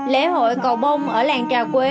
lễ hội cầu bông ở làng trà quế